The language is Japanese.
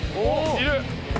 いる。